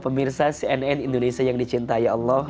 pemirsa cnn indonesia yang dicintai allah